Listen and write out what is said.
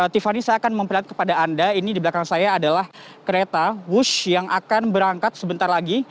tiffany saya akan memperlihatkan kepada anda ini di belakang saya adalah kereta wush yang akan berangkat sebentar lagi